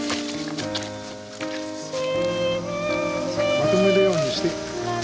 まとめるようにして。